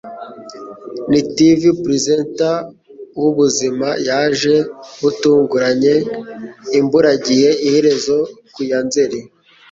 Ni Tv Presenter wa Ubuzima yaje butunguranye & imburagihe Iherezo Ku ya Nzeri